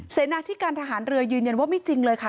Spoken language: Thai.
เสนาที่การทหารเรือยืนยันว่าไม่จริงเลยค่ะ